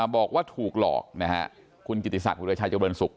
บอกว่าถูกหลอกคุณกิติศัตริย์หัวเรือชายเจ้าเบิร์นศุกร์